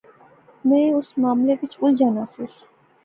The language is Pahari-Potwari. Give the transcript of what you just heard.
میں اس معاملے وچ الجھا ناں سیس